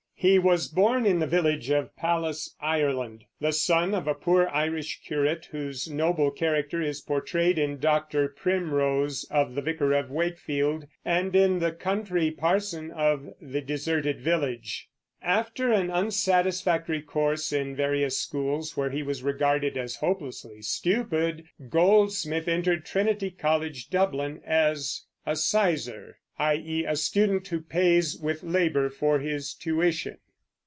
He was born in the village of Pallas, Ireland, the son of a poor Irish curate whose noble character is portrayed in Dr. Primrose, of The Vicar of Wakefield, and in the country parson of The Deserted Village. After an unsatisfactory course in various schools, where he was regarded as hopelessly stupid, Goldsmith entered Trinity College, Dublin, as a sizar, i.e. a student who pays with labor for his tuition.